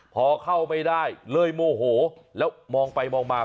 พอเข้าไม่ได้เลยโมโหแล้วมองไปมองมา